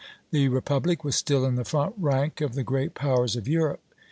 The republic was still in the front rank of the great powers of Europe.